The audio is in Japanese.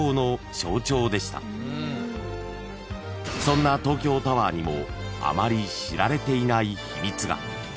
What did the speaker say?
［そんな東京タワーにもあまり知られていない秘密が］